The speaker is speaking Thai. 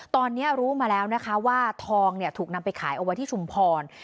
ตอนนี้รู้มาแล้วนะคะว่าทองถูกนำไปขายเอาไว้ที่ชุมพร